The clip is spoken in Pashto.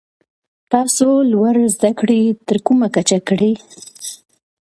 تاسو لوړي زده کړي تر کومه کچه کړي ؟